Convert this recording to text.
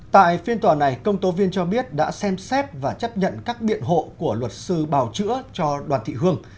tại phiên tòa này công tố viên cho biết đã xem xét và chấp nhận các biện hộ của luật sư bào chữa cho đoàn thị hương